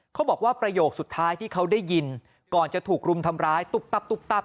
เขาบอกว่าประโยคสุดท้ายที่เขาได้ยินก่อนจะถูกรุมทำร้ายตุ๊บตับตุ๊บตับ